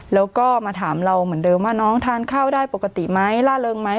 แล้วก็มาถามเราเหมือนเดิมว่าน้องทานข้าวได้ปกติไหมล่าเริงไหม